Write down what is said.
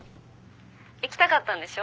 ☎行きたかったんでしょ？